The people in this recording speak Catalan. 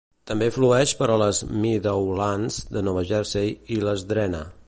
També flueix per les Meadowlands de Nova Jersey i les drena.